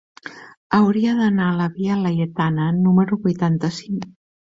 Hauria d'anar a la via Laietana número vuitanta-cinc.